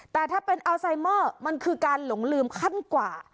แต่ถ้าเป็นอัลไซเมอร์มันคือการหลงลืมขั้นกว่า